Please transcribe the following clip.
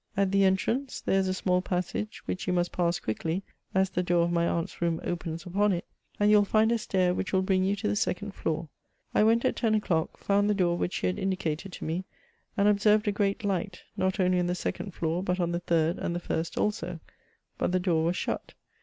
At the entrance there is a small passage, which you must pass quickly, as the door of my aunt's room opens upon it, and you will find a stair which will bring you to the second floor.' I went at teiK o'clock, found the door which she had indicated to me, and observed a great light, not only on the second floor, but on the third and the first also ; but the door was shut.